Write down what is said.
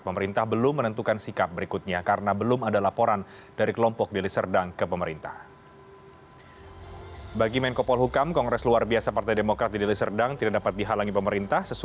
pemerintah belum menentukan sikap berikutnya karena belum ada laporan dari kelompok deli serdang ke pemerintah